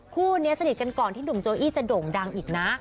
คู่นี้สนิทกันก่อนที่หนุ่มโจอี้จะโด่งดังอีกนะ